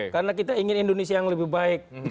karena kita ingin indonesia yang lebih baik